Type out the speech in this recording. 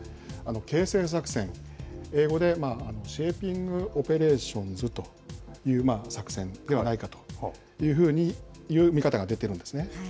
形成作戦、英語でシェーピング・オペレーションズという作戦ではないかという見方が出ているんですね。